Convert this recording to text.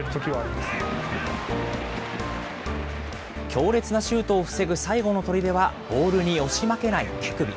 強烈なシュートを防ぐ最後のとりではボールに押し負けない手首。